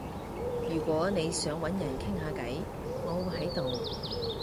如果你想搵人傾下偈，我會喺度